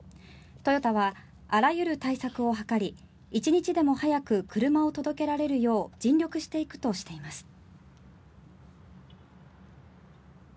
トヨタはあらゆる対策を図り一日でも早く車を届けられるよう尽力していくとしています。